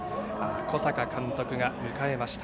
小坂監督が迎えました。